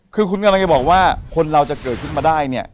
คือคุณกำลังจะบอกว่าคนเราจะเกิดขึ้นมาได้เนี่ย